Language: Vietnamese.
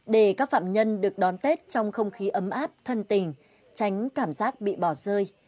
để các phạm nhân được đón tết trong không khí ấm áp thân tình tránh cảm giác bị bỏ rơi